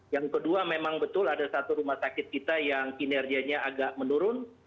yang kedua memang betul ada satu rumah sakit kita yang kinerjanya agak menurun